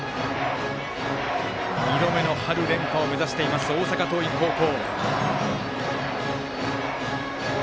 ２度目の春連覇を目指しています大阪桐蔭高校。